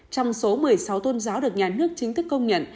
trong số một mươi sáu tôn giáo được nhà nước chính thức công nhận